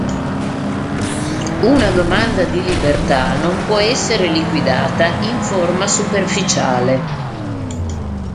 Una domanda di libertà non può essere liquidata in forma superficiale.